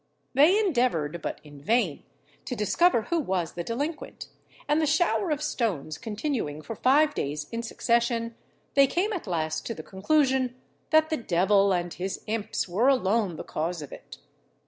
They endeavoured, but in vain, to discover who was the delinquent; and the shower of stones continuing for five days in succession, they came at last to the conclusion that the devil and his imps were alone the cause of it.